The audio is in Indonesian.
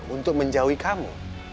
untuk menjauhi kamu